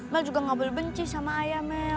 mel juga gak boleh benci sama ayah mel